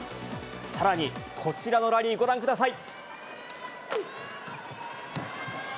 さらに、こちらのラリー、ご覧ください。